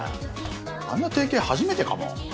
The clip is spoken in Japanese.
あんな定型初めてかも。